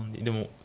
でも。